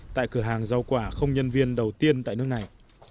tại cửa hàng rau quả không nhân viên đầu tiên tại nước này